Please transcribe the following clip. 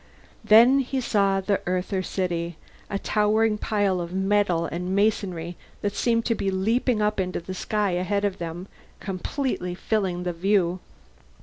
Then he saw the Earther city, a towering pile of metal and masonry that seemed to be leaping up into the sky ahead of them, completely filling the view.